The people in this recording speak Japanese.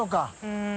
うん。